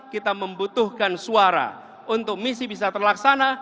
kita membutuhkan suara untuk misi bisa terlaksana